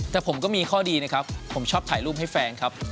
แต่ผมก็มีข้อดีนะครับผมชอบถ่ายรูปให้แฟนครับ